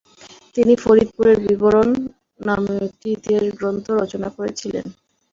তিনি 'ফরিদপুরের বিবরণ' নামেও একটি ইতিহাস গ্রন্থ রচনা করেছিলেন।